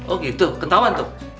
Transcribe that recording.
oh gitu ketahuan tuh